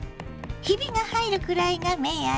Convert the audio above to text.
ひびが入るくらいが目安。